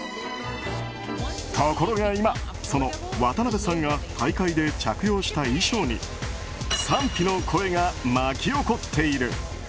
ところが今、その渡邉さんが大会で着用した衣装に賛否の声が巻き起こっている。